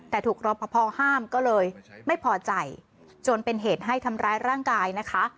แต่ถูกรอปภห้ามก็เลยไม่พอใจจนเป็นเหตุให้ทำร้ายร่างกายนะคะ